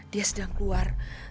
dia sedang keluar